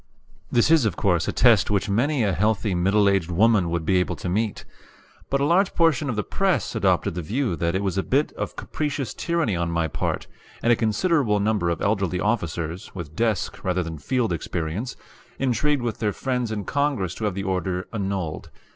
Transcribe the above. This is, of course, a test which many a healthy middle aged woman would be able to meet. But a large portion of the press adopted the view that it was a bit of capricious tyranny on my part; and a considerable number of elderly officers, with desk rather than field experience, intrigued with their friends in Congress to have the order annulled.